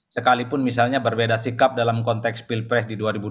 sekalipun misalnya berbeda sikap dalam konteks pilpres di dua ribu dua puluh